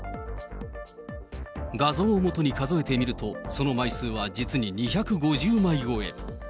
画像を基に数えてみるとその枚数は実に２５０枚超え。